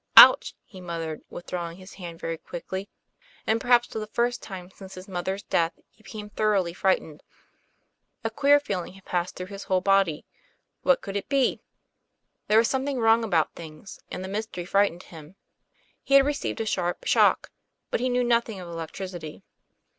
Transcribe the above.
"Ouch!" he muttered, withdrawing his hand very quickly; and perhaps for the first time since his mother's death, he became thoroughly frightened. A queer feeling had passed through his whole body. What could it be ? There was something wrong about things, and the mystery frightened him. He had received a sharp shock; but he knew nothing of electricity.